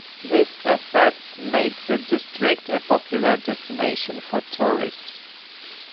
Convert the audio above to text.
These assets make the district a popular destination for tourists.